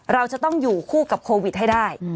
เราจะต้องอยู่คู่กับโควิดให้ได้